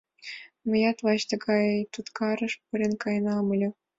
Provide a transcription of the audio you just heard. Мыят лач тыгай туткарыш пурен каенам ыле.